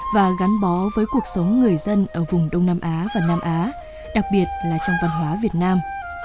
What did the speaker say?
và gắn bó với cuộc sống người dân ở vùng đông nam á và nam á đặc biệt là trong văn hóa việt nam